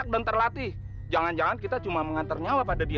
kaka berangkat ya